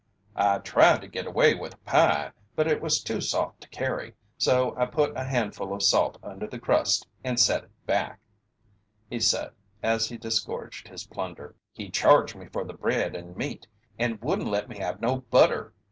"I tried to get away with a pie, but it was too soft to carry, so I put a handful of salt under the crust and set it back," he said, as he disgorged his plunder. "He charged me for the bread and meat, and wouldn't let me have no butter!